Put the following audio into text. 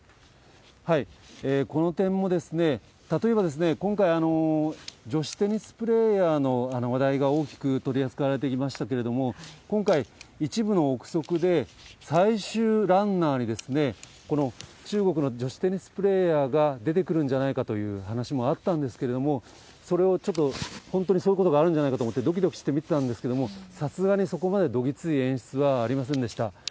この点も、例えば今回、女子テニスプレーヤーの話題が大きく取り扱われてきましたけれども、今回、一部の臆測で、最終ランナーに、この中国の女子テニスプレーヤーが出てくるんじゃないかという話もあったんですけれども、それをちょっと、本当にそういうことがあるんじゃないかと思ってどきどきして見てたんですけれども、さすがにそこまでどぎつい演出はありませんでした。